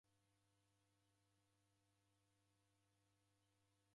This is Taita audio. Niki kwaw'ekimbiria uw'u?